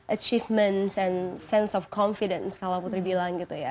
achievement and sense of confidence kalau putri bilang gitu ya